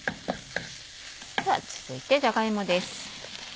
では続いてじゃが芋です。